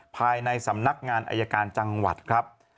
ภายในสำนักงานอายการจังหวัดครับ